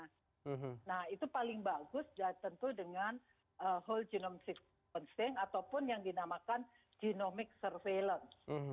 nah itu paling bagus tentu dengan whole genome sequencing ataupun yang dinamakan genomic surveillance